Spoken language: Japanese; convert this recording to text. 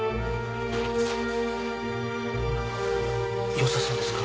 よさそうですか？